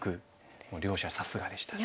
もう両者さすがでしたね。